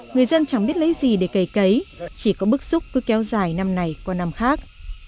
người dân chẳng biết lấy gì để cầy cấy chỉ có bức xúc cứ kéo dài năm này qua năm khác